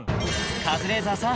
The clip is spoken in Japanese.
カズレーザーさん